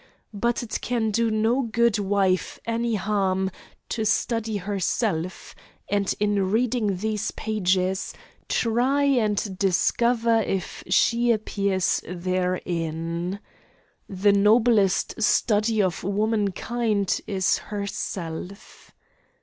But it can do no good wife any harm to study herself, and in reading these pages, try and discover if she appears therein. The noblest study of womankind is herself.